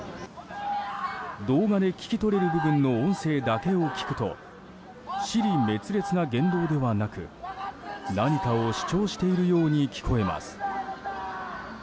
動画で聞き取れる部分の音声だけを聞くと支離滅裂な言動ではなく何かを主張しているように聞こえます。